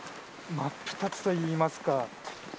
真っ二つといいますか。